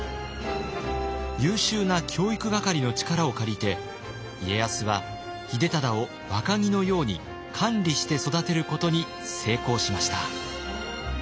優秀な教育係の力を借りて家康は秀忠を若木のように管理して育てることに成功しました。